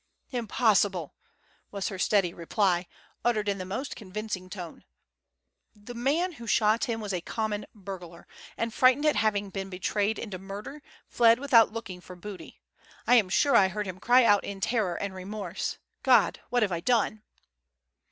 "Impossible!" was her steady reply, uttered in the most convincing tone. "The man who shot him was a common burglar, and frightened at having been betrayed into murder, fled without looking for booty. I am sure I heard him cry out in terror and remorse: 'God! what have I done!